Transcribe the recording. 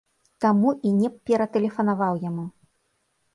Таму і не ператэлефанаваў яму!